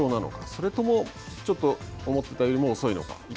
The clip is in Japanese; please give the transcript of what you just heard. それともちょっと思ってたよりも遅いのか